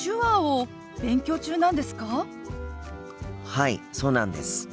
はいそうなんです。